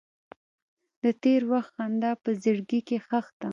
د تېر وخت خندا په زړګي کې ښخ ده.